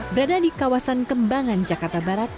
berada di kawasan kembangan jakarta barat